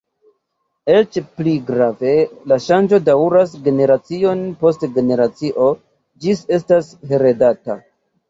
Eĉ pli grave, la ŝanĝo daŭras generacion post generacio; ĝi estas heredata.